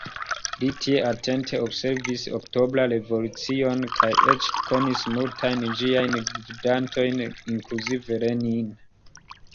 Li tie atente observis Oktobra Revolucion kaj eĉ konis multajn ĝiajn gvidantojn, inkluzive Lenin.